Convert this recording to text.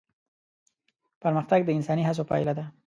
پرمختګ د انساني هڅو پايله ده.